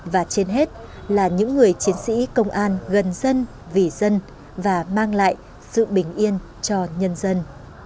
và trên hết là những người chiến sĩ công an gần dân vì dân và mang lại sự bình yên cho nhân dân